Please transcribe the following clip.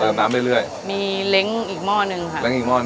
น้ำเรื่อยเรื่อยมีเล้งอีกหม้อหนึ่งค่ะเล้งอีกหม้อหนึ่ง